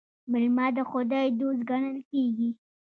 میلمه د خدای دوست ګڼل کیږي.